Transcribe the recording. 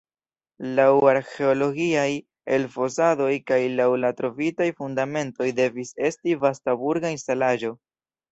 Laŭ arĥeologiaj elfosadoj kaj laŭ la trovitaj fundamentoj devis estis vasta burga instalaĵo.